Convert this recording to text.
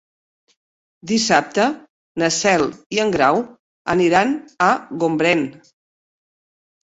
Dissabte na Cel i en Grau aniran a Gombrèn.